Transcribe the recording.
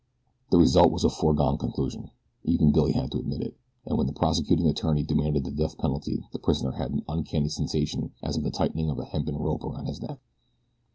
The result was a foregone conclusion. Even Billy had to admit it, and when the prosecuting attorney demanded the death penalty the prisoner had an uncanny sensation as of the tightening of a hempen rope about his neck.